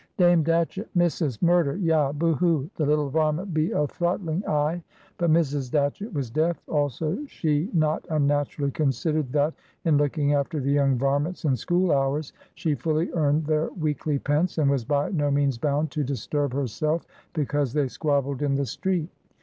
"Dame Datchett! Missus! Murder! Yah! Boohoo! The little varment be a throttling I." But Mrs. Datchett was deaf. Also, she not unnaturally considered that, in looking after "the young varments" in school hours, she fully earned their weekly pence, and was by no means bound to disturb herself because they squabbled in the street.